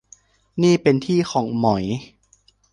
นี่เป็นที่ของหมอย